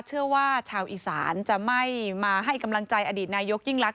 เชื่อว่าชาวอีสานจะไม่มาให้กำลังใจอดีตนายกยิ่งลักษ